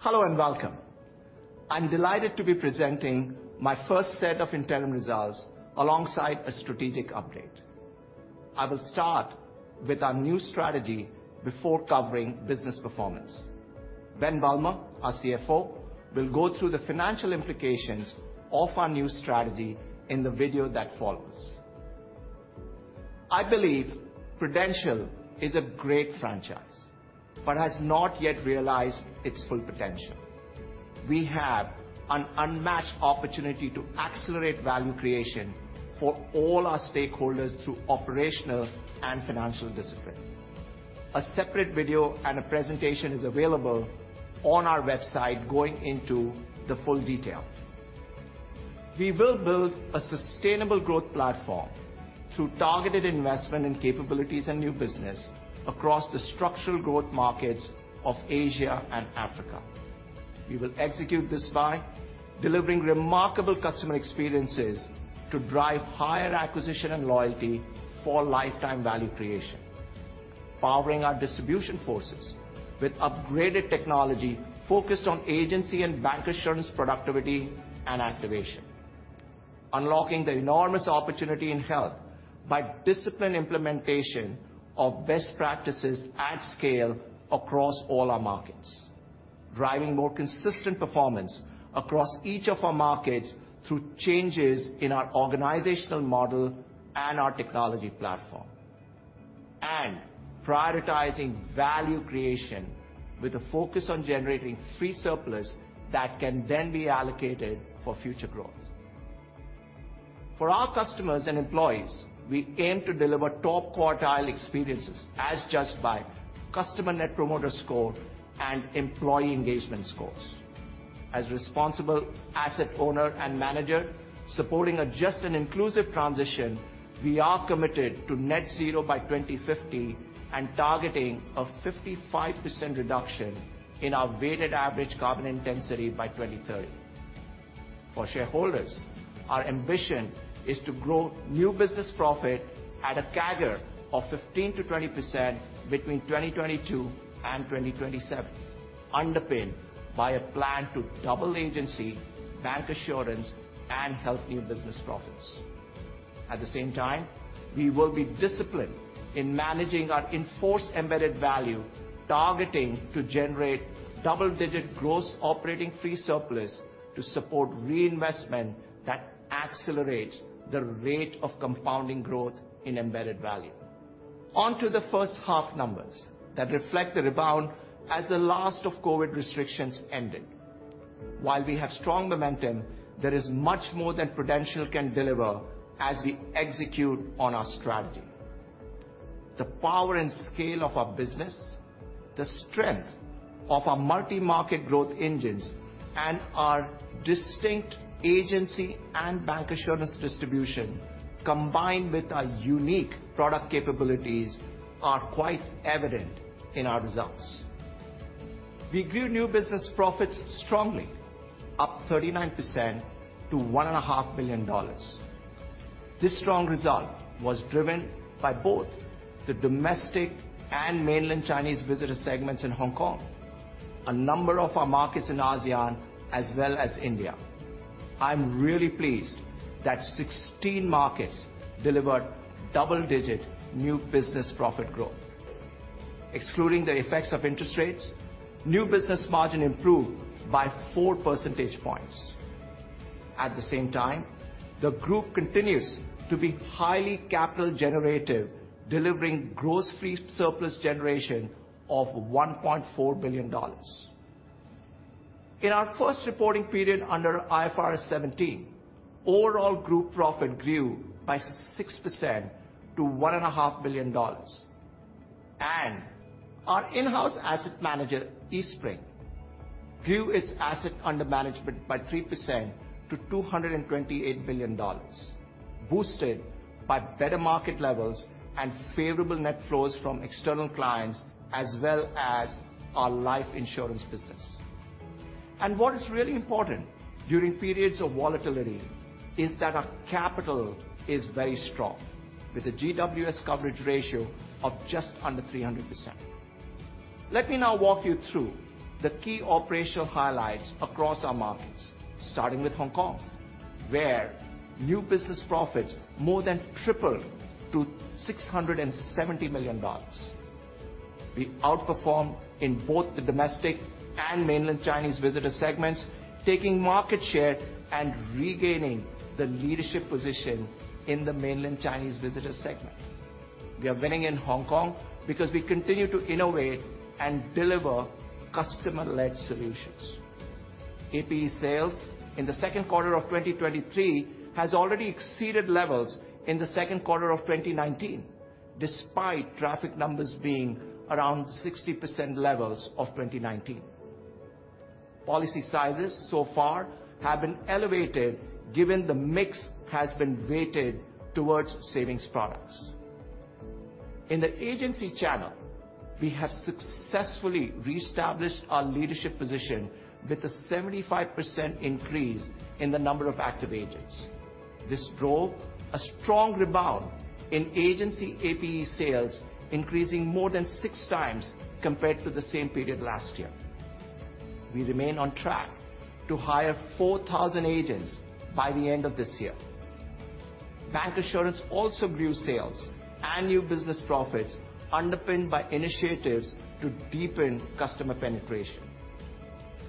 Hello and welcome. I'm delighted to be presenting my first set of interim results alongside a strategic update. I will start with our new strategy before covering business performance. Ben Bulmer, our CFO, will go through the financial implications of our new strategy in the video that follows. I believe Prudential is a great franchise but has not yet realized its full potential. We have an unmatched opportunity to accelerate value creation for all our stakeholders through operational and financial discipline. A separate video and a presentation are available on our website going into the full detail. We will build a sustainable growth platform through targeted investment in capabilities and new business across the structural growth markets of Asia and Africa. We will execute this by delivering remarkable customer experiences to drive higher acquisition and loyalty for lifetime value creation, powering our distribution forces with upgraded technology focused on agency and bank assurance productivity and activation, unlocking the enormous opportunity in health by disciplined implementation of best practices at scale across all our markets, driving more consistent performance across each of our markets through changes in our organizational model and our technology platform, and prioritizing value creation with a focus on generating free surplus that can then be allocated for future growth. For our customers and employees, we aim to deliver top quartile experiences as judged by customer Net Promoter Score and employee engagement scores. As responsible asset owner and manager supporting a just and inclusive transition, we are committed to net zero by 2050 and targeting a 55% reduction in our weighted average carbon intensity by 2030. For shareholders, our ambition is to grow new business profit at a CAGR of 15%-20% between 2022 and 2027, underpinned by a plan to double agency, bank assurance, and health new business profits. At the same time, we will be disciplined in managing our in-force embedded value, targeting to generate double-digit gross operating free surplus to support reinvestment that accelerates the rate of compounding growth in embedded value. On to the first half numbers that reflect the rebound as the last of COVID restrictions ended. While we have strong momentum, there is much more that Prudential can deliver as we execute on our strategy. The power and scale of our business, the strength of our multi-market growth engines, and our distinct agency and bank assurance distribution combined with our unique product capabilities are quite evident in our results. We grew new business profits strongly, up 39% to $1.5 billion. This strong result was driven by both the domestic and mainland Chinese visitor segments in Hong Kong, a number of our markets in ASEAN, as well as India. I'm really pleased that 16 markets delivered double-digit new business profit growth. Excluding the effects of interest rates, new business margin improved by 4 percentage points. At the same time, the group continues to be highly capital generative, delivering gross free surplus generation of $1.4 billion. In our first reporting period under IFRS 17, overall group profit grew by 6% to $1.5 billion, and our in-house asset manager, Eastspring, grew its assets under management by 3% to $228 billion, boosted by better market levels and favorable net flows from external clients, as well as our life insurance business. What is really important during periods of volatility is that our capital is very strong, with a GWS coverage ratio of just under 300%. Let me now walk you through the key operational highlights across our markets, starting with Hong Kong, where new business profits more than tripled to $670 million. We outperformed in both the domestic and mainland Chinese visitor segments, taking market share and regaining the leadership position in the mainland Chinese visitor segment. We are winning in Hong Kong because we continue to innovate and deliver customer-led solutions. APE sales in the second quarter of 2023 has already exceeded levels in the second quarter of 2019, despite traffic numbers being around 60% levels of 2019. Policy sizes so far have been elevated given the mix has been weighted towards savings products. In the agency channel, we have successfully reestablished our leadership position with a 75% increase in the number of active agents. This drove a strong rebound in agency APE sales, increasing more than six times compared to the same period last year. We remain on track to hire 4,000 agents by the end of this year. Bank assurance also grew sales and new business profits, underpinned by initiatives to deepen customer penetration.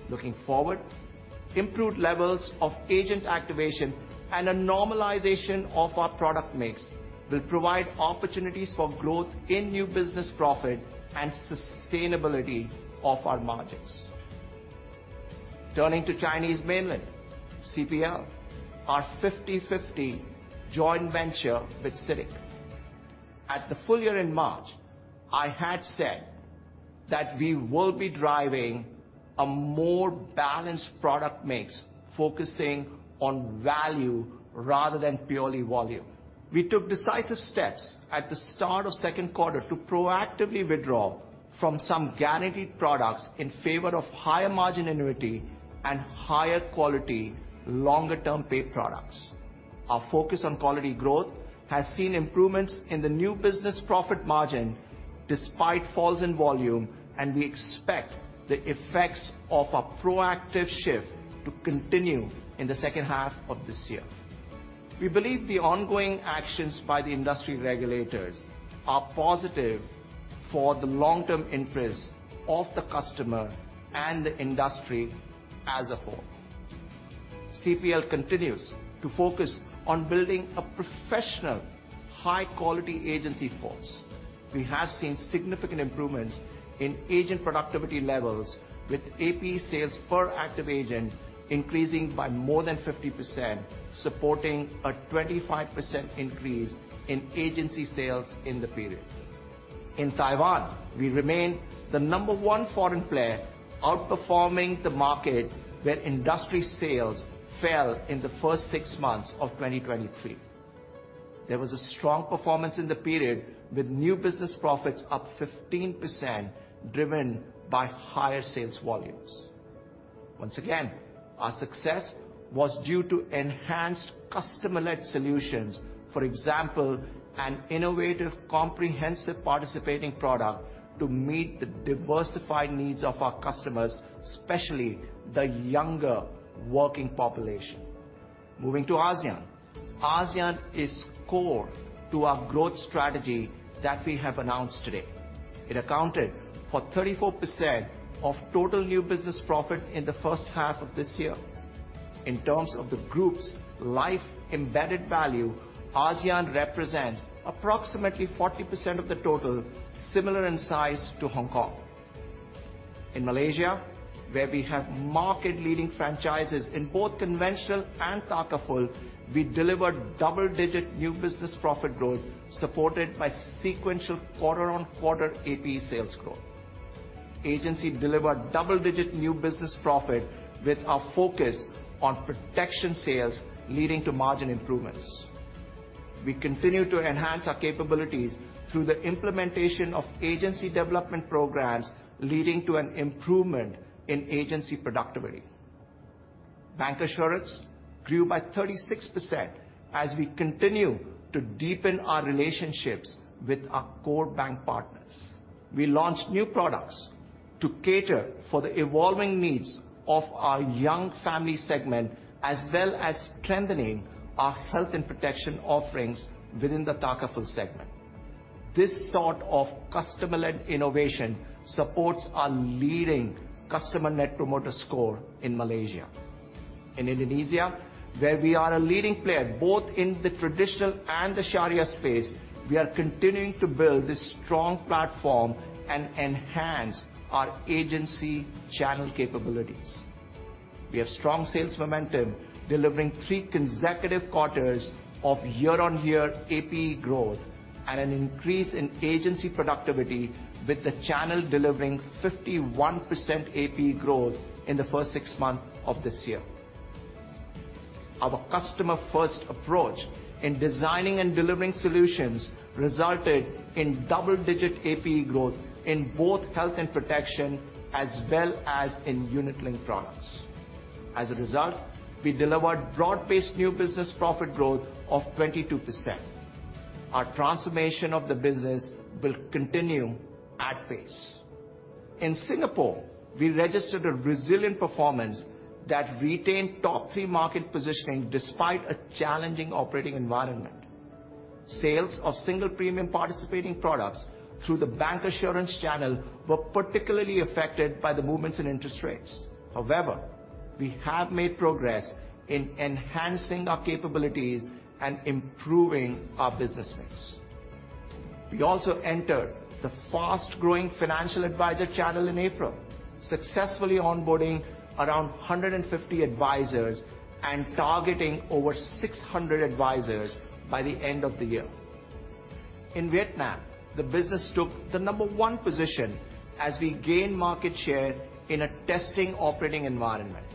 Looking forward, improved levels of agent activation and a normalization of our product mix will provide opportunities for growth in new business profit and sustainability of our margins. Turning to Chinese mainland, CPL, our 50/50 joint venture with CITIC. At the full year in March, I had said that we will be driving a more balanced product mix, focusing on value rather than purely volume. We took decisive steps at the start of second quarter to proactively withdraw from some guaranteed products in favor of higher margin annuity and higher quality, longer-term paid products. Our focus on quality growth has seen improvements in the new business profit margin despite falls in volume, and we expect the effects of a proactive shift to continue in the second half of this year. We believe the ongoing actions by the industry regulators are positive for the long-term interest of the customer and the industry as a whole. CPL continues to focus on building a professional, high-quality agency force. We have seen significant improvements in agent productivity levels, with APE sales per active agent increasing by more than 50%, supporting a 25% increase in agency sales in the period. In Taiwan, we remain the number one foreign player outperforming the market, where industry sales fell in the first six months of 2023. There was a strong performance in the period, with new business profits up 15%, driven by higher sales volumes. Once again, our success was due to enhanced customer-led solutions, for example, an innovative comprehensive participating product to meet the diversified needs of our customers, especially the younger working population. Moving to ASEAN, ASEAN is core to our growth strategy that we have announced today. It accounted for 34% of total new business profit in the first half of this year. In terms of the group's life embedded value, ASEAN represents approximately 40% of the total, similar in size to Hong Kong. In Malaysia, where we have market-leading franchises in both conventional and Takaful, we delivered double-digit new business profit growth, supported by sequential quarter-on-quarter APE sales growth. Agency delivered double-digit new business profit with our focus on protection sales, leading to margin improvements. We continue to enhance our capabilities through the implementation of agency development programs, leading to an improvement in agency productivity. Bank assurance grew by 36% as we continue to deepen our relationships with our core bank partners. We launched new products to cater for the evolving needs of our young family segment, as well as strengthening our health and protection offerings within the Takaful segment. This sort of customer-led innovation supports our leading customer Net Promoter Score in Malaysia. In Indonesia, where we are a leading player both in the traditional and the Sharia space, we are continuing to build this strong platform and enhance our agency channel capabilities. We have strong sales momentum, delivering three consecutive quarters of year-on-year APE growth and an increase in agency productivity, with the channel delivering 51% APE growth in the first six months of this year. Our customer-first approach in designing and delivering solutions resulted in double-digit APE growth in both health and protection, as well as in unit-linked products. As a result, we delivered broad-based new business profit growth of 22%. Our transformation of the business will continue at pace. In Singapore, we registered a resilient performance that retained top-three market positioning despite a challenging operating environment. Sales of single premium participating products through the bank assurance channel were particularly affected by the movements in interest rates. However, we have made progress in enhancing our capabilities and improving our business mix. We also entered the fast-growing financial advisor channel in April, successfully onboarding around 150 advisors and targeting over 600 advisors by the end of the year. In Vietnam, the business took the number one position as we gained market share in a testing operating environment.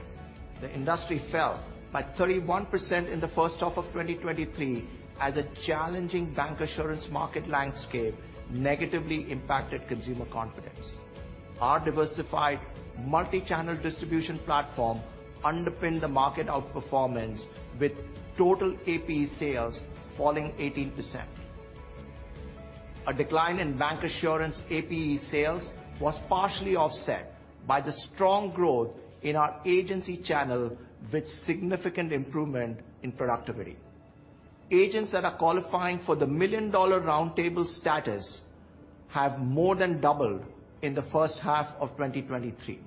The industry fell by 31% in the first half of 2023 as a challenging bank assurance market landscape negatively impacted consumer confidence. Our diversified multi-channel distribution platform underpinned the market outperformance, with total APE sales falling 18%. A decline in bank assurance APE sales was partially offset by the strong growth in our agency channel, with significant improvement in productivity. Agents that are qualifying for the Million Dollar Roundtable status have more than doubled in the first half of 2023.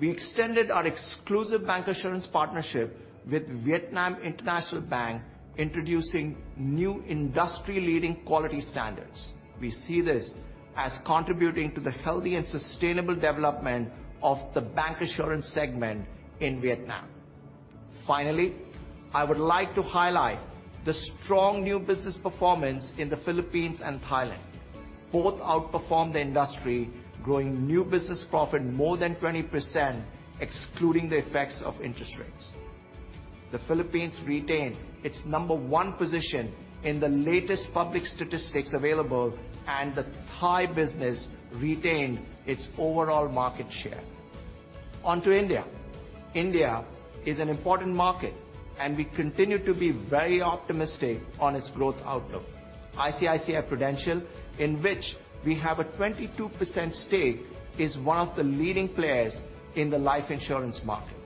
We extended our exclusive bank assurance partnership with Vietnam International Bank, introducing new industry-leading quality standards. We see this as contributing to the healthy and sustainable development of the bank assurance segment in Vietnam. Finally, I would like to highlight the strong new business performance in the Philippines and Thailand. Both outperformed the industry, growing new business profit more than 20%, excluding the effects of interest rates. The Philippines retained its number one position in the latest public statistics available, and the Thai business retained its overall market share. Onto India. India is an important market, and we continue to be very optimistic on its growth outlook. ICICI Prudential, in which we have a 22% stake, is one of the leading players in the life insurance market.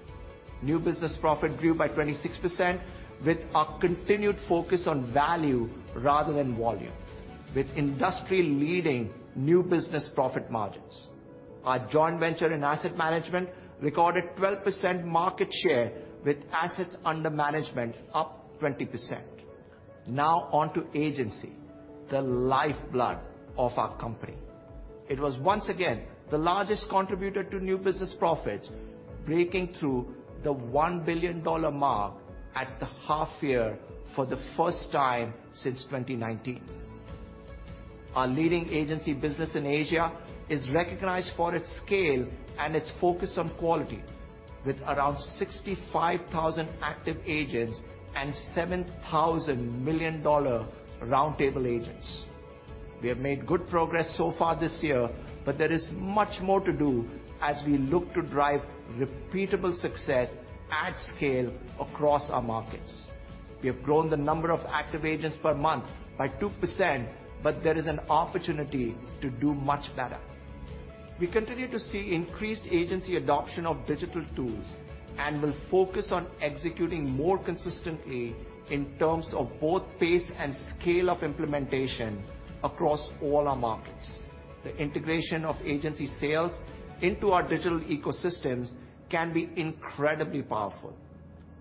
New business profit grew by 26%, with our continued focus on value rather than volume, with industry-leading new business profit margins. Our joint venture in asset management recorded 12% market share, with assets under management up 20%. Now onto agency, the lifeblood of our company. It was once again the largest contributor to new business profits, breaking through the $1 billion mark at the half year for the first time since 2019. Our leading agency business in Asia is recognized for its scale and its focus on quality, with around 65,000 active agents and 7,000 Million Dollar Roundtable agents. We have made good progress so far this year, but there is much more to do as we look to drive repeatable success at scale across our markets. We have grown the number of active agents per month by 2%, but there is an opportunity to do much better. We continue to see increased agency adoption of digital tools and will focus on executing more consistently in terms of both pace and scale of implementation across all our markets. The integration of agency sales into our digital ecosystems can be incredibly powerful.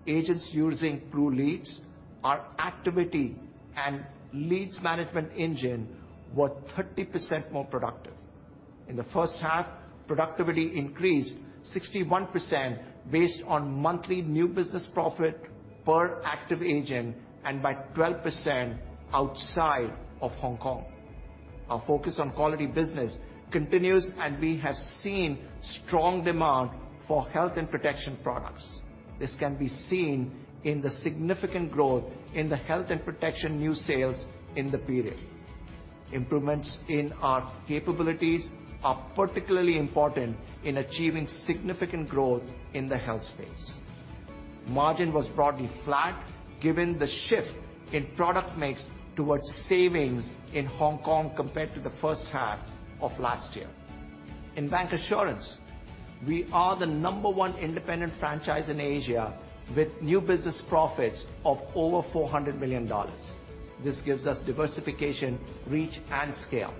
Agents using PRULeads, our activity and leads management engine, were 30% more productive. In the first half, productivity increased 61% based on monthly new business profit per active agent and by 12% outside of Hong Kong. Our focus on quality business continues, and we have seen strong demand for health and protection products. This can be seen in the significant growth in the health and protection new sales in the period. Improvements in our capabilities are particularly important in achieving significant growth in the health space. Margin was broadly flat given the shift in product mix towards savings in Hong Kong compared to the first half of last year. In bank assurance, we are the number one independent franchise in Asia, with new business profits of over $400 million. This gives us diversification, reach, and scale.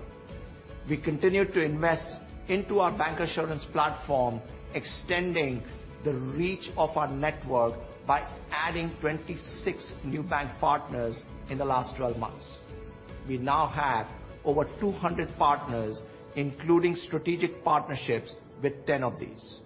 We continue to invest into our bank assurance platform, extending the reach of our network by adding 26 new bank partners in the last 12 months. We now have over 200 partners, including strategic partnerships with 10 of these.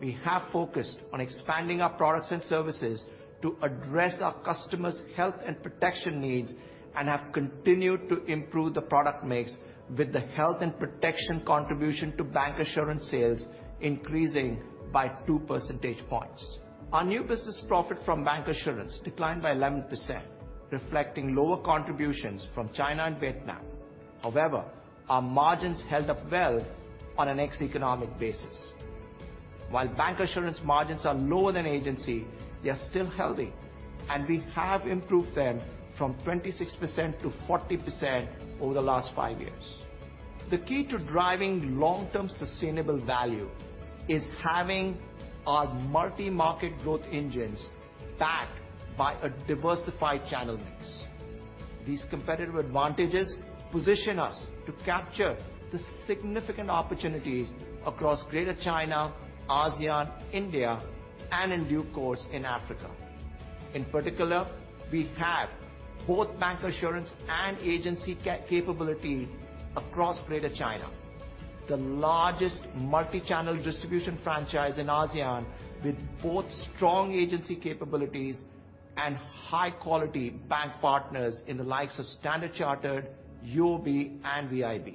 We have focused on expanding our products and services to address our customers' health and protection needs and have continued to improve the product mix with the health and protection contribution to bank assurance sales, increasing by 2 percentage points. Our new business profit from bank assurance declined by 11%, reflecting lower contributions from China and Vietnam. However, our margins held up well on an ex-economic basis. While bank assurance margins are lower than agency, they are still healthy, and we have improved them from 26% to 40% over the last five years. The key to driving long-term sustainable value is having our multi-market growth engines backed by a diversified channel mix. These competitive advantages position us to capture the significant opportunities across Greater China, ASEAN, India, and in due course in Africa. In particular, we have both bank assurance and agency capability across Greater China, the largest multi-channel distribution franchise in ASEAN, with both strong agency capabilities and high-quality bank partners in the likes of Standard Chartered, UOB, and VIB.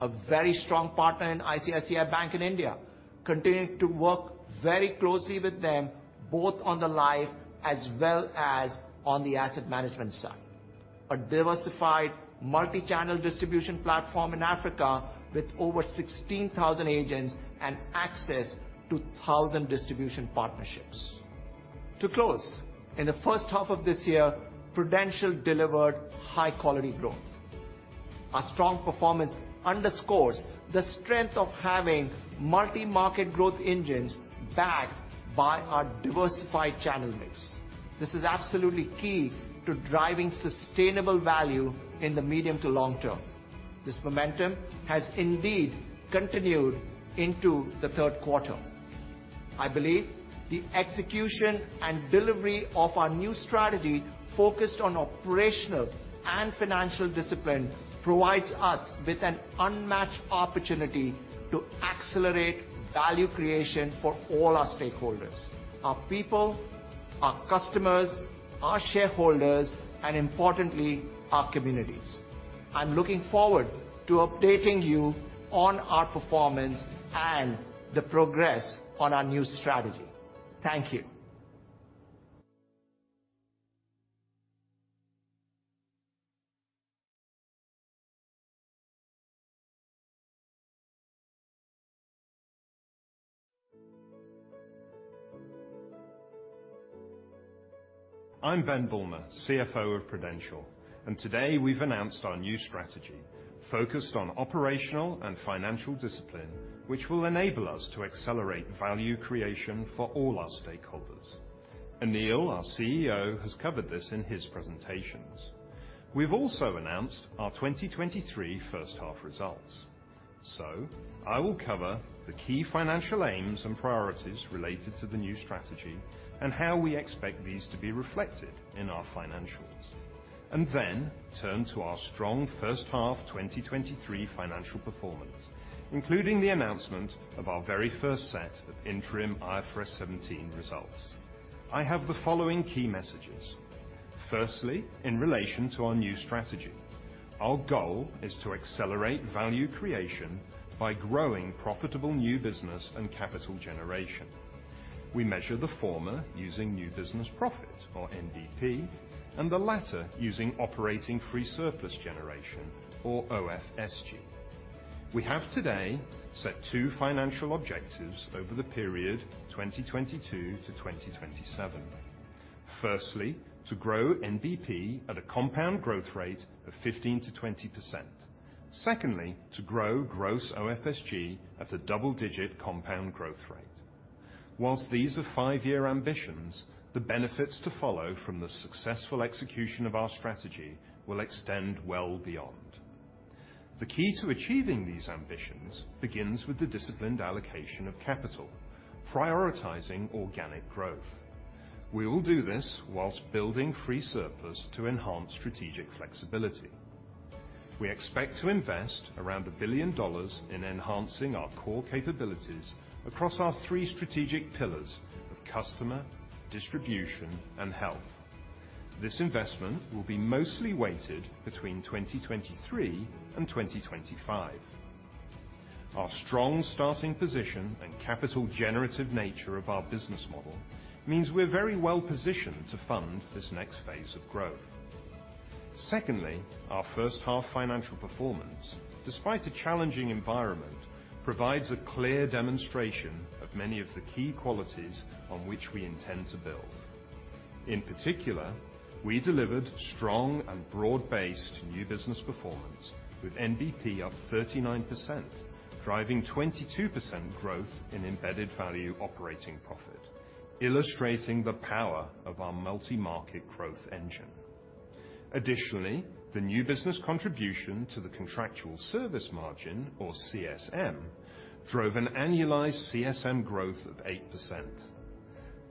A very strong partner in ICICI Bank in India, continuing to work very closely with them both on the life as well as on the asset management side. A diversified multi-channel distribution platform in Africa with over 16,000 agents and access to 1,000 distribution partnerships. To close, in the first half of this year, Prudential delivered high-quality growth. Our strong performance underscores the strength of having multi-market growth engines backed by our diversified channel mix. This is absolutely key to driving sustainable value in the medium to long term. This momentum has indeed continued into the third quarter. I believe the execution and delivery of our new strategy, focused on operational and financial discipline, provides us with an unmatched opportunity to accelerate value creation for all our stakeholders: our people, our customers, our shareholders, and importantly, our communities. I'm looking forward to updating you on our performance and the progress on our new strategy. Thank you. I'm Ben Bulmer, CFO of Prudential, and today we've announced our new strategy, focused on operational and financial discipline, which will enable us to accelerate value creation for all our stakeholders. Anil, our CEO, has covered this in his presentations. We've also announced our 2023 first half results. I will cover the key financial aims and priorities related to the new strategy and how we expect these to be reflected in our financials, then turn to our strong first half 2023 financial performance, including the announcement of our very first set of interim IFRS 17 results. I have the following key messages. Firstly, in relation to our new strategy, our goal is to accelerate value creation by growing profitable new business and capital generation. We measure the former using new business profit, or NBP, and the latter using operating free surplus generation, or OFSG. We have today set two financial objectives over the period 2022 to 2027. Firstly, to grow NBP at a compound growth rate of 15%-20%. Secondly, to grow gross OFSG at a double-digit compound growth rate. While these are five-year ambitions, the benefits to follow from the successful execution of our strategy will extend well beyond. The key to achieving these ambitions begins with the disciplined allocation of capital, prioritizing organic growth. We will do this while building free surplus to enhance strategic flexibility. We expect to invest around $1 billion in enhancing our core capabilities across our three strategic pillars of customer, distribution, and health. This investment will be mostly weighted between 2023 and 2025. Our strong starting position and capital-generative nature of our business model means we're very well positioned to fund this next phase of growth. Secondly, our first half financial performance, despite a challenging environment, provides a clear demonstration of many of the key qualities on which we intend to build. In particular, we delivered strong and broad-based new business performance with NBP up 39%, driving 22% growth in embedded value operating profit, illustrating the power of our multi-market growth engine. Additionally, the new business contribution to the contractual service margin, or CSM, drove an annualized CSM growth of 8%.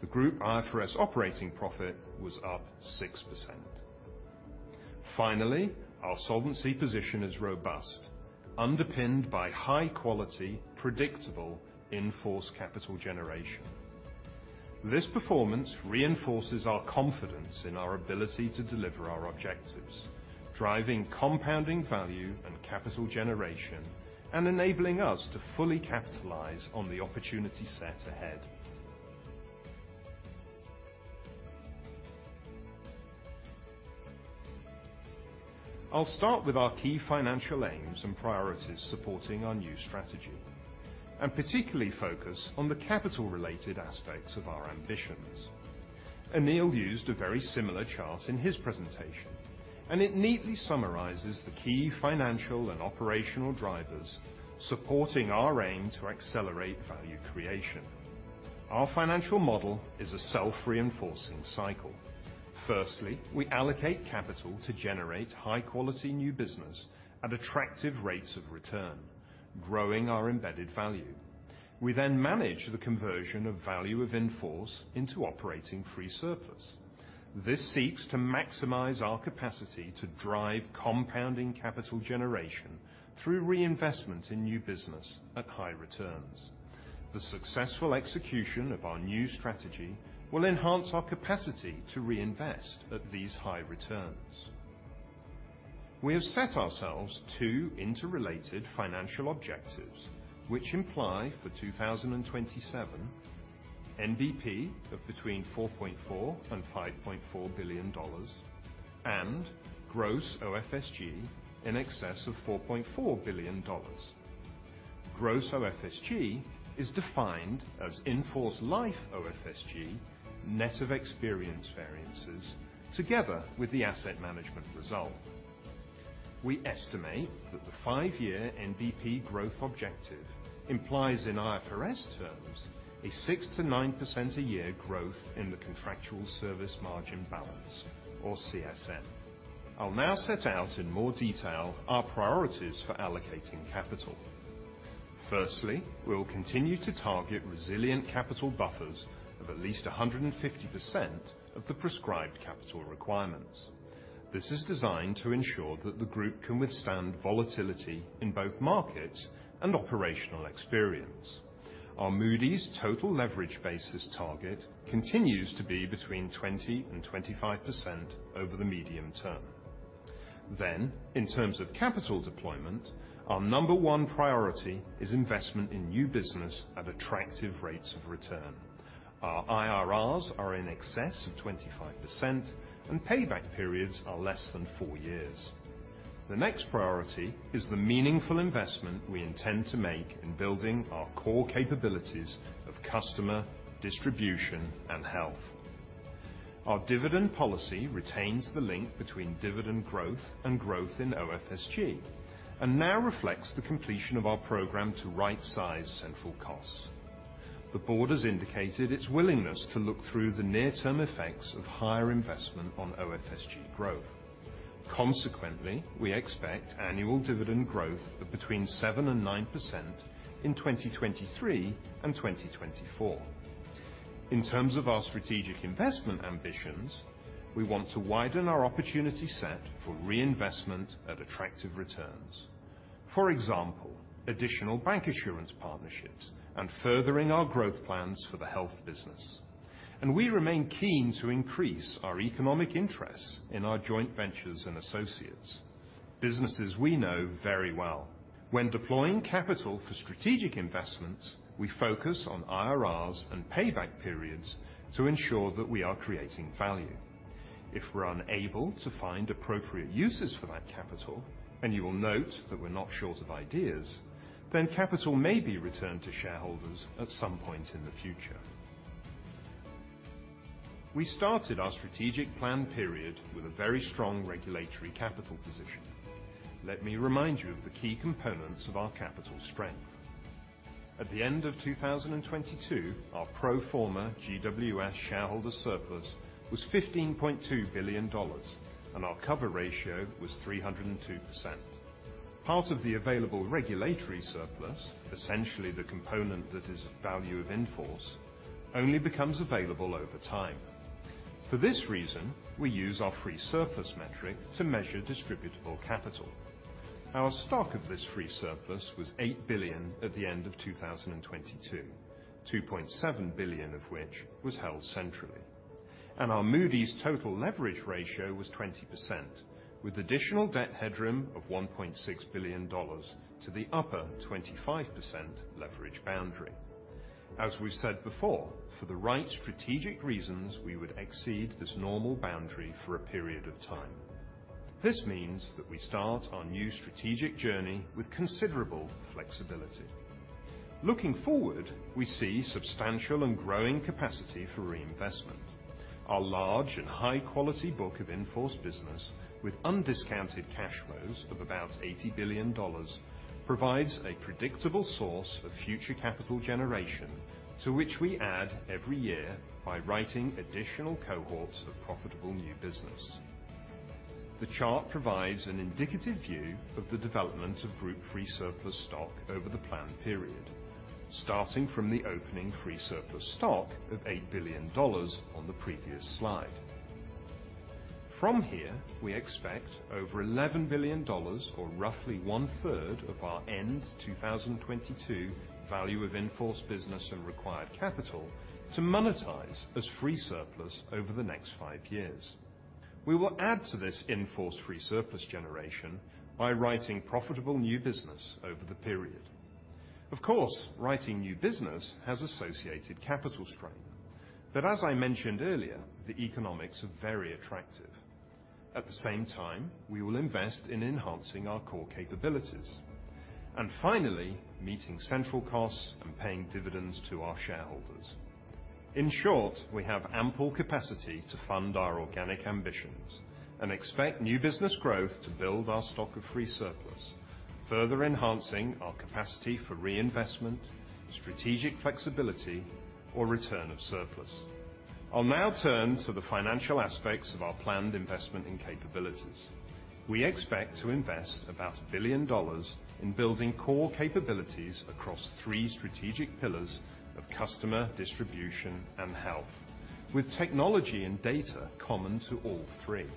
The group IFRS operating profit was up 6%. Finally, our solvency position is robust, underpinned by high-quality, predictable in-force capital generation. This performance reinforces our confidence in our ability to deliver our objectives, driving compounding value and capital generation and enabling us to fully capitalize on the opportunity set ahead. I'll start with our key financial aims and priorities supporting our new strategy and particularly focus on the capital-related aspects of our ambitions. Anil used a very similar chart in his presentation, and it neatly summarizes the key financial and operational drivers supporting our aim to accelerate value creation. Our financial model is a self-reinforcing cycle. Firstly, we allocate capital to generate high-quality new business at attractive rates of return, growing our embedded value. We then manage the conversion of value of in-force into operating free surplus. This seeks to maximize our capacity to drive compounding capital generation through reinvestment in new business at high returns. The successful execution of our new strategy will enhance our capacity to reinvest at these high returns. We have set ourselves two interrelated financial objectives, which imply for 2027 NBP of between $4.4 billion and $5.4 billion and gross OFSG in excess of $4.4 billion. Gross OFSG is defined as in-force life OFSG, net of experience variances, together with the asset management result. We estimate that the five-year NBP growth objective implies in IFRS terms a 6% to 9% a year growth in the contractual service margin balance, or CSM. I'll now set out in more detail our priorities for allocating capital. Firstly, we'll continue to target resilient capital buffers of at least 150% of the prescribed capital requirements. This is designed to ensure that the group can withstand volatility in both markets and operational experience. Our Moody's total leverage basis target continues to be between 20% and 25% over the medium term. Then, in terms of capital deployment, our number one priority is investment in new business at attractive rates of return. Our IRRs are in excess of 25%, and payback periods are less than four years. The next priority is the meaningful investment we intend to make in building our core capabilities of customer, distribution, and health. Our dividend policy retains the link between dividend growth and growth in OFSG and now reflects the completion of our program to right-size central costs. The board has indicated its willingness to look through the near-term effects of higher investment on OFSG growth. Consequently, we expect annual dividend growth of between 7% and 9% in 2023 and 2024. In terms of our strategic investment ambitions, we want to widen our opportunity set for reinvestment at attractive returns. For example, additional bank assurance partnerships and furthering our growth plans for the health business. And we remain keen to increase our economic interest in our joint ventures and associates, businesses we know very well. When deploying capital for strategic investments, we focus on IRRs and payback periods to ensure that we are creating value. If we're unable to find appropriate uses for that capital, and you will note that we're not short of ideas, then capital may be returned to shareholders at some point in the future. We started our strategic plan period with a very strong regulatory capital position. Let me remind you of the key components of our capital strength. At the end of 2022, our pro-forma GWS shareholder surplus was $15.2 billion, and our cover ratio was 302%. Part of the available regulatory surplus, essentially the component that is of value of in-force, only becomes available over time. For this reason, we use our free surplus metric to measure distributable capital. Our stock of this free surplus was $8 billion at the end of 2022, $2.7 billion of which was held centrally. Our Moody's total leverage ratio was 20%, with additional debt headroom of $1.6 billion to the upper 25% leverage boundary. As we've said before, for the right strategic reasons, we would exceed this normal boundary for a period of time. This means that we start our new strategic journey with considerable flexibility. Looking forward, we see substantial and growing capacity for reinvestment. Our large and high-quality book of in-force business, with undiscounted cash flows of about $80 billion, provides a predictable source of future capital generation to which we add every year by writing additional cohorts of profitable new business. The chart provides an indicative view of the development of group free surplus stock over the planned period, starting from the opening free surplus stock of $8 billion on the previous slide. From here, we expect over $11 billion, or roughly one-third of our end 2022 value of in-force business and required capital, to monetize as free surplus over the next five years. We will add to this in-force free surplus generation by writing profitable new business over the period. Of course, writing new business has associated capital strain. But as I mentioned earlier, the economics are very attractive. At the same time, we will invest in enhancing our core capabilities and finally meeting central costs and paying dividends to our shareholders. In short, we have ample capacity to fund our organic ambitions and expect new business growth to build our stock of free surplus, further enhancing our capacity for reinvestment, strategic flexibility, or return of surplus. I'll now turn to the financial aspects of our planned investment and capabilities. We expect to invest about $1 billion in building core capabilities across three strategic pillars of customer, distribution, and health, with technology and data common to all three.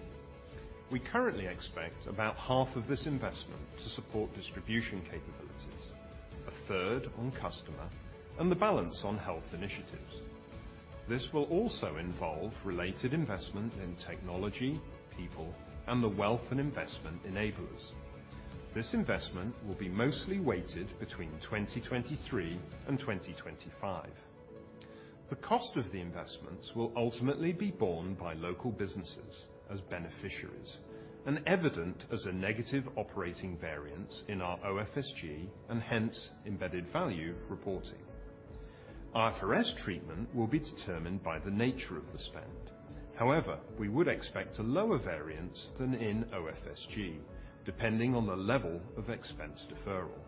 We currently expect about half of this investment to support distribution capabilities, a third on customer, and the balance on health initiatives. This will also involve related investment in technology, people, and the wealth and investment enablers. This investment will be mostly weighted between 2023 and 2025. The cost of the investments will ultimately be borne by local businesses as beneficiaries and evident as a negative operating variance in our OFSG and hence embedded value reporting. IFRS treatment will be determined by the nature of the spend. However, we would expect a lower variance than in OFSG, depending on the level of expense deferral.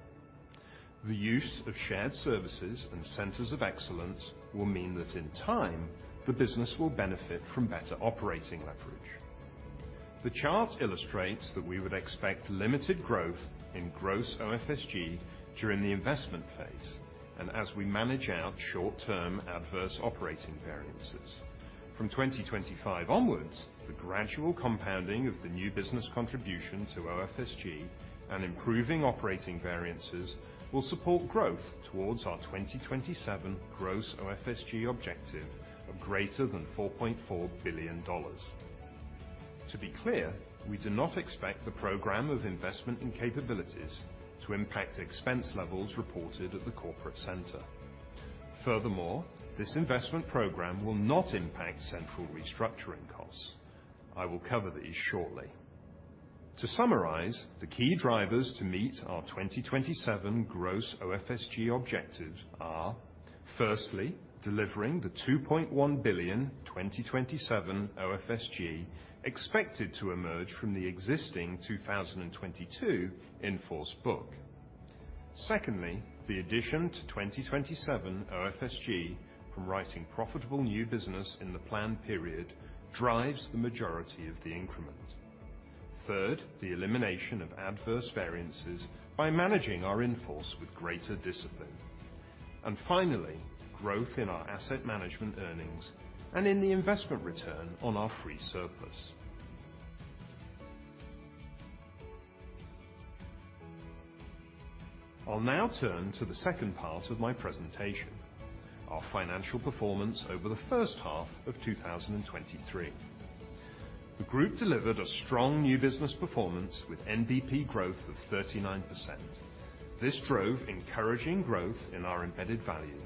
The use of shared services and centers of excellence will mean that in time, the business will benefit from better operating leverage. The chart illustrates that we would expect limited growth in gross OFSG during the investment phase and as we manage out short-term adverse operating variances. From 2025 onwards, the gradual compounding of the new business contribution to OFSG and improving operating variances will support growth towards our 2027 gross OFSG objective of greater than $4.4 billion. To be clear, we do not expect the program of investment and capabilities to impact expense levels reported at the corporate center. Furthermore, this investment program will not impact central restructuring costs. I will cover these shortly. To summarize, the key drivers to meet our 2027 gross OFSG objectives are, firstly, delivering the $2.1 billion 2027 OFSG expected to emerge from the existing 2022 in-force book. Secondly, the addition to 2027 OFSG from writing profitable new business in the planned period drives the majority of the increment. Third, the elimination of adverse variances by managing our in-force with greater discipline. And finally, growth in our asset management earnings and in the investment return on our free surplus. I'll now turn to the second part of my presentation, our financial performance over the first half of 2023. The group delivered a strong new business performance with NBP growth of 39%. This drove encouraging growth in our embedded value,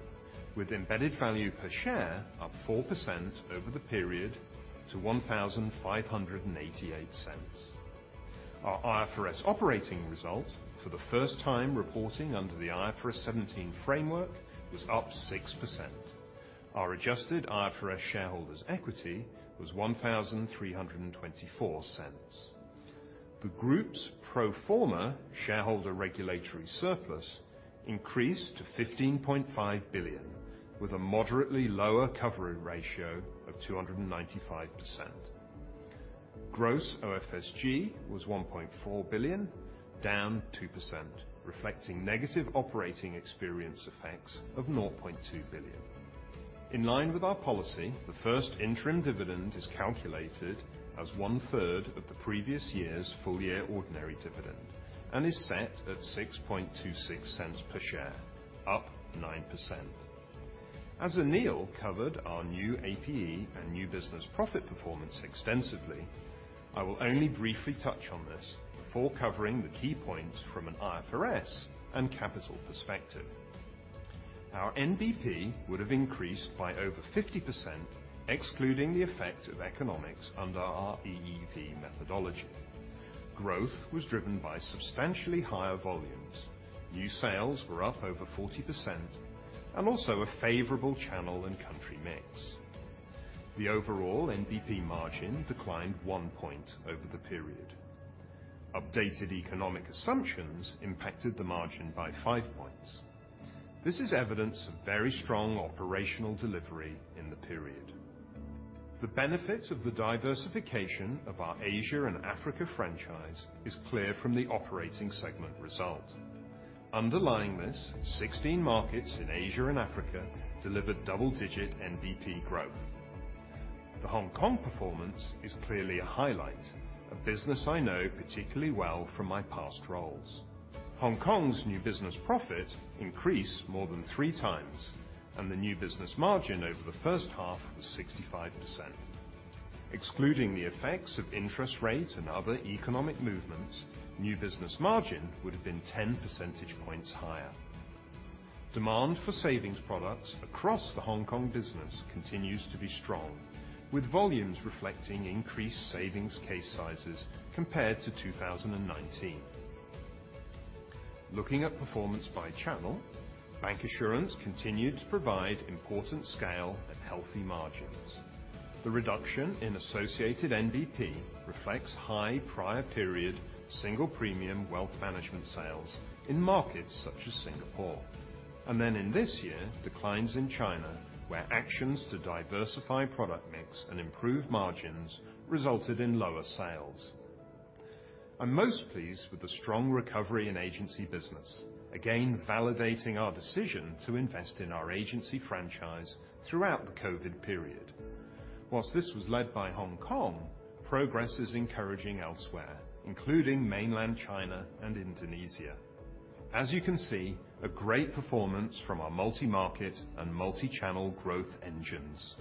with embedded value per share up 4% over the period to $15.88. Our IFRS operating result, for the first time reporting under the IFRS 17 framework, was up 6%. Our adjusted IFRS shareholders' equity was $13.24. The group's pro-forma shareholder regulatory surplus increased to $15.5 billion, with a moderately lower covering ratio of 295%. Gross OFSG was $1.4 billion, down 2%, reflecting negative operating experience effects of $0.2 billion. In line with our policy, the first interim dividend is calculated as one-third of the previous year's full-year ordinary dividend and is set at $0.0626 per share, up 9%. As Anil covered our new APE and new business profit performance extensively, I will only briefly touch on this before covering the key points from an IFRS and capital perspective. Our NBP would have increased by over 50%, excluding the effect of economics under our EEV methodology. Growth was driven by substantially higher volumes, new sales were up over 40%, and also a favorable channel and country mix. The overall NBP margin declined one point over the period. Updated economic assumptions impacted the margin by five points. This is evidence of very strong operational delivery in the period. The benefits of the diversification of our Asia and Africa franchise is clear from the operating segment result. Underlying this, 16 markets in Asia and Africa delivered double-digit NBP growth. The Hong Kong performance is clearly a highlight, a business I know particularly well from my past roles. Hong Kong's new business profit increased more than three times, and the new business margin over the first half was 65%. Excluding the effects of interest rate and other economic movements, new business margin would have been 10 percentage points higher. Demand for savings products across the Hong Kong business continues to be strong, with volumes reflecting increased savings case sizes compared to 2019. Looking at performance by channel, bank assurance continued to provide important scale and healthy margins. The reduction in associated NBP reflects high prior period single premium wealth management sales in markets such as Singapore. And then in this year, declines in China, where actions to diversify product mix and improve margins resulted in lower sales. I'm most pleased with the strong recovery in agency business, again validating our decision to invest in our agency franchise throughout the COVID period. While this was led by Hong Kong, progress is encouraging elsewhere, including Mainland China and Indonesia. As you can see, a great performance from our multi-market and multi-channel growth engines.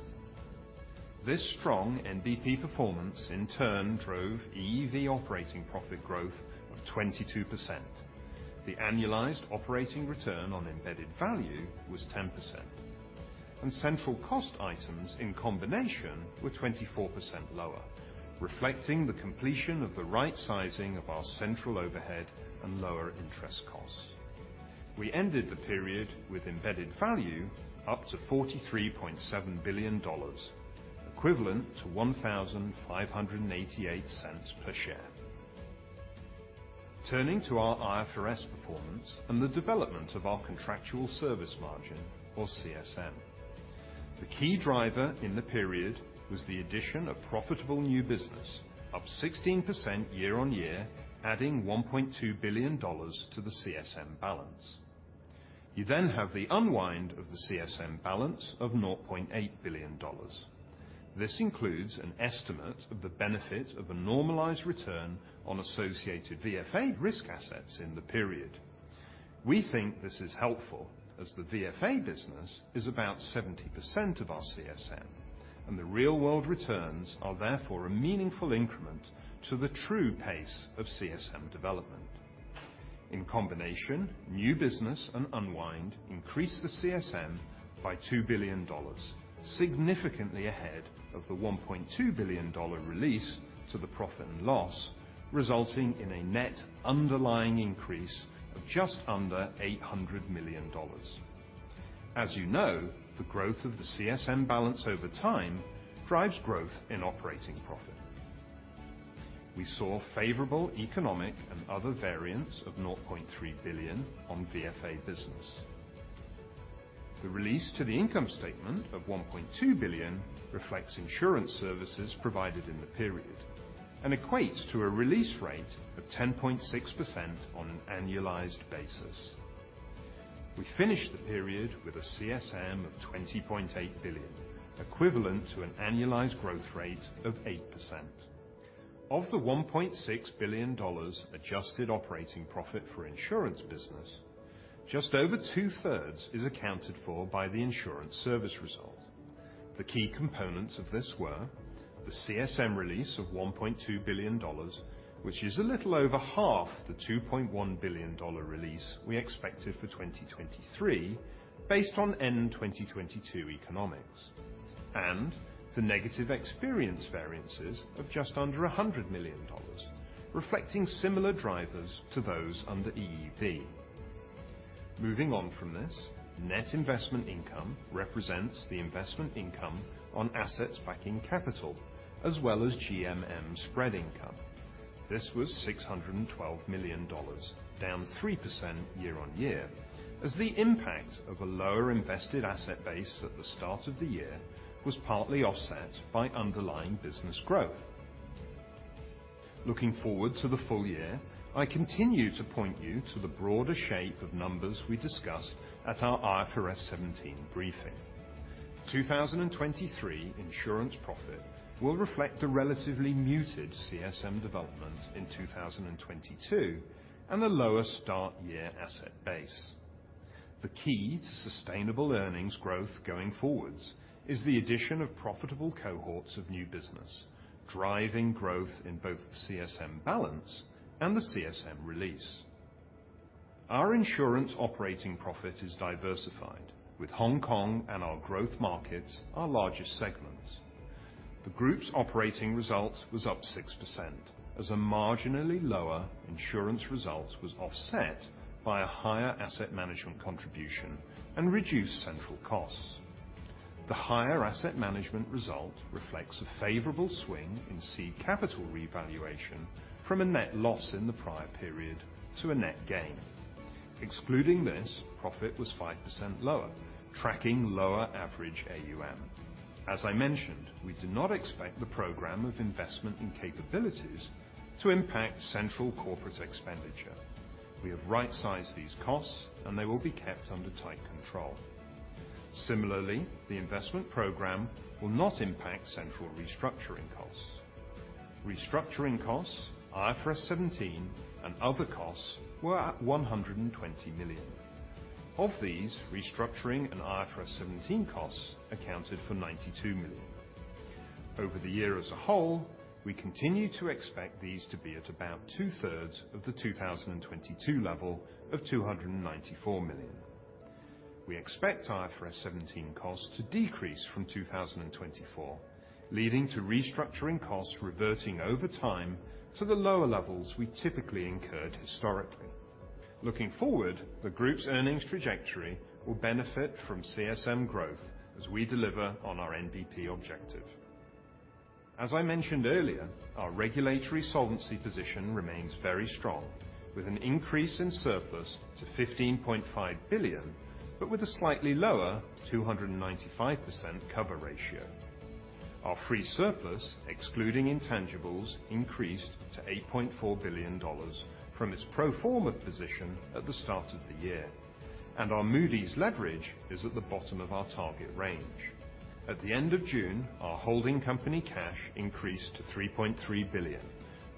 This strong NBP performance, in turn, drove EEV operating profit growth of 22%. The annualized operating return on embedded value was 10%, and central cost items in combination were 24% lower, reflecting the completion of the right-sizing of our central overhead and lower interest costs. We ended the period with embedded value up to $43.7 billion, equivalent to $15.88 per share. Turning to our IFRS performance and the development of our contractual service margin, or CSM. The key driver in the period was the addition of profitable new business, up 16% year on year, adding $1.2 billion to the CSM balance. You then have the unwind of the CSM balance of $0.8 billion. This includes an estimate of the benefit of a normalized return on associated VFA risk assets in the period. We think this is helpful as the VFA business is about 70% of our CSM, and the real-world returns are therefore a meaningful increment to the true pace of CSM development. In combination, new business and unwind increased the CSM by $2 billion, significantly ahead of the $1.2 billion release to the profit and loss, resulting in a net underlying increase of just under $800 million. As you know, the growth of the CSM balance over time drives growth in operating profit. We saw favorable economic and other variants of $0.3 billion on VFA business. The release to the income statement of $1.2 billion reflects insurance services provided in the period and equates to a release rate of 10.6% on an annualized basis. We finished the period with a CSM of $20.8 billion, equivalent to an annualized growth rate of 8%. Of the $1.6 billion adjusted operating profit for insurance business, just over two-thirds is accounted for by the insurance service result. The key components of this were the CSM release of $1.2 billion, which is a little over half the $2.1 billion release we expected for 2023, based on end 2022 economics, and the negative experience variances of just under $100 million, reflecting similar drivers to those under EEV. Moving on from this, net investment income represents the investment income on assets backing capital, as well as GMM spread income. This was $612 million, down 3% year on year, as the impact of a lower invested asset base at the start of the year was partly offset by underlying business growth. Looking forward to the full year, I continue to point you to the broader shape of numbers we discussed at our IFRS 17 briefing. 2023 insurance profit will reflect the relatively muted CSM development in 2022 and the lower start year asset base. The key to sustainable earnings growth going forwards is the addition of profitable cohorts of new business, driving growth in both the CSM balance and the CSM release. Our insurance operating profit is diversified, with Hong Kong and our growth markets our largest segments. The group's operating result was up 6%, as a marginally lower insurance result was offset by a higher asset management contribution and reduced central costs. The higher asset management result reflects a favorable swing in seed capital revaluation from a net loss in the prior period to a net gain. Excluding this, profit was 5% lower, tracking lower average AUM. As I mentioned, we do not expect the program of investment and capabilities to impact central corporate expenditure. We have right-sized these costs, and they will be kept under tight control. Similarly, the investment program will not impact central restructuring costs. Restructuring costs, IFRS 17, and other costs were at $120 million. Of these, restructuring and IFRS 17 costs accounted for $92 million. Over the year as a whole, we continue to expect these to be at about two-thirds of the 2022 level of $294 million. We expect IFRS 17 costs to decrease from 2024, leading to restructuring costs reverting over time to the lower levels we typically incurred historically. Looking forward, the group's earnings trajectory will benefit from CSM growth as we deliver on our NBP objective. As I mentioned earlier, our regulatory solvency position remains very strong, with an increase in surplus to $15.5 billion, but with a slightly lower 295% cover ratio. Our free surplus, excluding intangibles, increased to $8.4 billion from its pro-forma position at the start of the year, and our Moody's leverage is at the bottom of our target range. At the end of June, our holding company cash increased to $3.3 billion,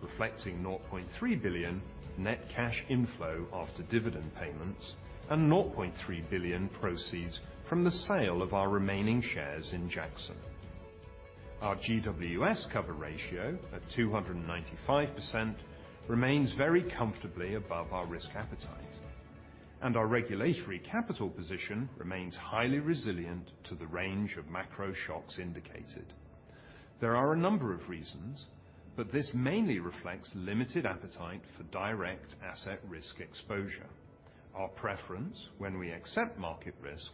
reflecting $0.3 billion net cash inflow after dividend payments and $0.3 billion proceeds from the sale of our remaining shares in Jackson. Our GWS cover ratio at 295% remains very comfortably above our risk appetite, and our regulatory capital position remains highly resilient to the range of macro shocks indicated. There are a number of reasons, but this mainly reflects limited appetite for direct asset risk exposure. Our preference, when we accept market risk,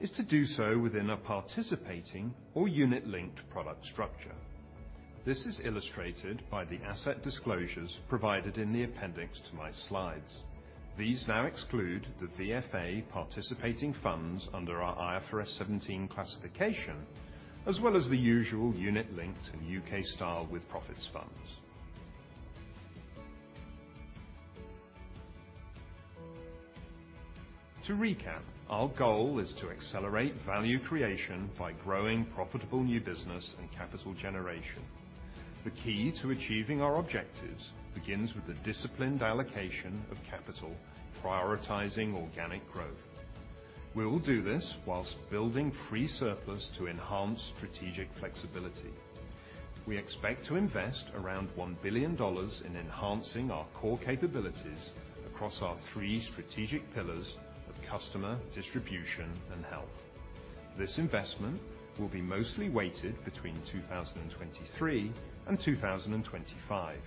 is to do so within a participating or unit-linked product structure. This is illustrated by the asset disclosures provided in the appendix to my slides. These now exclude the VFA participating funds under our IFRS 17 classification, as well as the usual unit-linked and U.K.-style with profits funds. To recap, our goal is to accelerate value creation by growing profitable new business and capital generation. The key to achieving our objectives begins with the disciplined allocation of capital, prioritizing organic growth. We will do this whilst building free surplus to enhance strategic flexibility. We expect to invest around $1 billion in enhancing our core capabilities across our three strategic pillars of customer, distribution, and health. This investment will be mostly weighted between 2023 and 2025.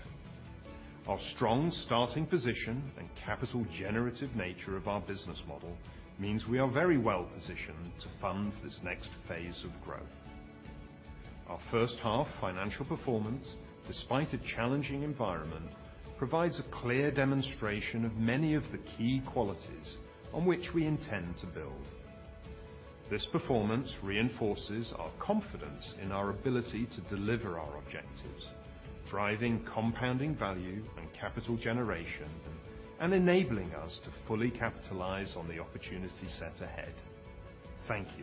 Our strong starting position and capital-generative nature of our business model means we are very well positioned to fund this next phase of growth. Our first-half financial performance, despite a challenging environment, provides a clear demonstration of many of the key qualities on which we intend to build. This performance reinforces our confidence in our ability to deliver our objectives, driving compounding value and capital generation, and enabling us to fully capitalize on the opportunity set ahead. Thank you.